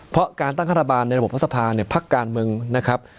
เพราะการตั้งรัฐบาลในระบบพระสภาพการเมืองนะครับ